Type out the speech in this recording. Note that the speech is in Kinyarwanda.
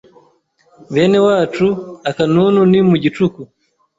Benewacu akanunu ni mu gicuku